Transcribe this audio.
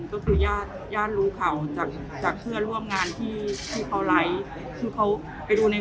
ก็คือญาติญาติรู้ข่าวจากจากเพื่อนร่วมงานที่ที่เขาไลฟ์คือเขาไปดูใน